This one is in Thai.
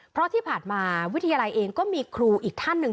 เพราะที่ผ่านมาวิทยาลัยเองก็มีครูอีกท่านหนึ่ง